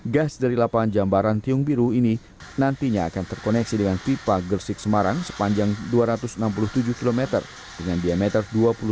gas dari lapangan jambaran tiung biru ini nantinya akan terkoneksi dengan pipa gersik semarang sepanjang dua ratus enam puluh tujuh km dengan diameter dua puluh delapan